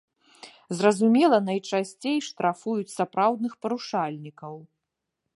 Зразумела, найчасцей штрафуюць сапраўдных парушальнікаў.